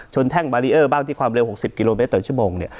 แท่งบารีเออร์บ้างที่ความเร็ว๖๐กิโลเมตรต่อชั่วโมง